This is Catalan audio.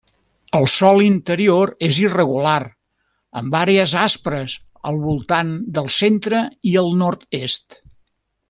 El sòl interior és irregular, amb àrees aspres al voltant del centre i al nord-est.